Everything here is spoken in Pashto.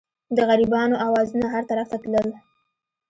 د غریبانو اوازونه هر طرف ته تلل.